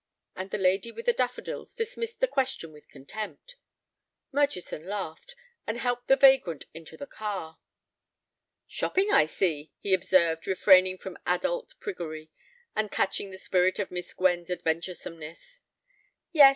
And the lady with the daffodils dismissed the question with contempt. Murchison laughed, and helped the vagrant into the car. "Shopping, I see," he observed, refraining from adult priggery, and catching the spirit of Miss Gwen's adventuresomeness. "Yes.